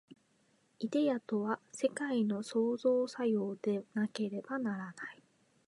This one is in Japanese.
イデヤとは世界の創造作用でなければならない。